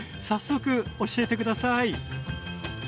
早速教えて下さい！